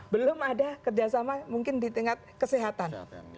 belum ada kerjasama mungkin di tingkat kesehatan